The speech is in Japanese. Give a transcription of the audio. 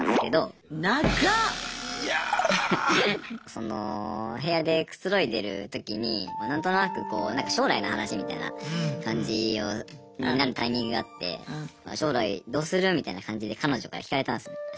その部屋でくつろいでる時に何となく将来の話みたいな感じになるタイミングがあって将来どうする？みたいな感じで彼女から聞かれたんすね。